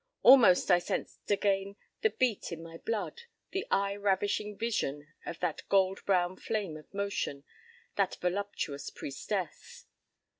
Almost I sensed again the beat in my blood, the eye ravishing vision of that gold brown flame of motion, that voluptuous priestess.